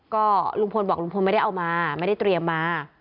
ก็ลุงพลบอกลุงพลไม่ได้เอามาไม่ได้เตรียมมา